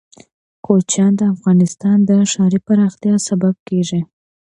کوچیان د افغانستان د ښاري پراختیا سبب کېږي.